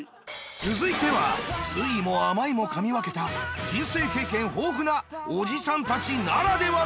続いては酸いも甘いもかみ分けた人生経験豊富なおじさんたちならではのダービーマッチ。